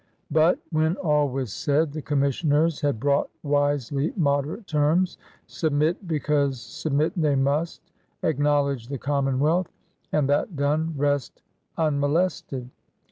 But, when all was said, the Commissioners had brought wisely moderate terms: submit because submit they must, acknowledge the Commonwealth, and, that done, rest unmo lested